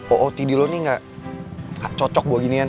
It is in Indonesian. ootd lo nih gak cocok buat ginian